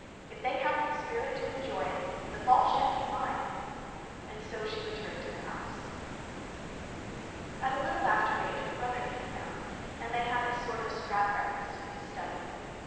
If they haven't the spirit to enjoy it, the fault shan't be mine;' and so she returned the house. At a little after eight her brother came down, and they had a sort of scrap breakfast in his study.